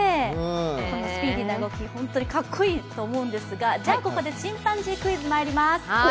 このスピーディーな動き、ホントにかっこいいと思うんですが、じゃあ、ここでチンパンジークイズまいります。